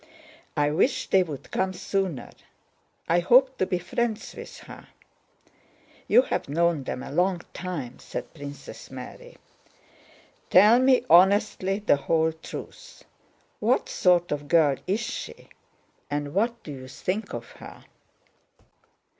I wish they would come sooner. I hope to be friends with her. You have known them a long time," said Princess Mary. "Tell me honestly the whole truth: what sort of girl is she, and what do you think of her?